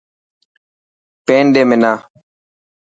پين ڏي منا.